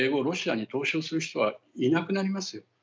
ロシアに投資をする人はいなくなりますよ。